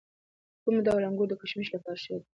کوم ډول انګور د کشمشو لپاره ښه دي؟